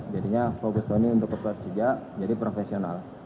jadinya fokus tony untuk persija jadi profesional